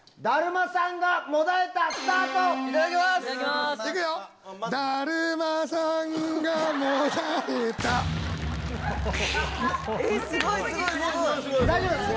大丈夫？